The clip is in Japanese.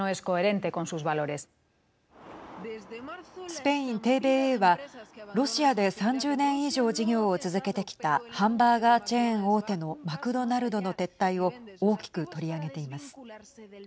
スペイン、ＴＶＥではロシアで３０年以上事業を続けてきたハンバーガーチェーン大手のマクドナルドの撤退を大きく取り上げています。